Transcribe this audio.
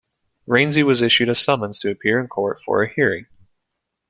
Rainsy was issued a summons to appear in court for a hearing.